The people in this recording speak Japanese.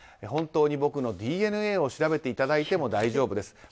本当に僕のＤＮＡを調べていただいても大丈夫です。